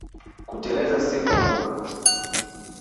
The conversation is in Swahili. Kuteleza si kuanguka